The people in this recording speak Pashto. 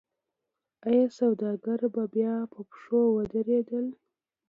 آیا سوداګر بیا په پښو ودرېدل؟